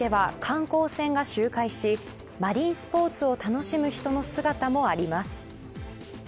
周囲では観光船が周回しマリンスポーツを楽しむ人の姿もあります。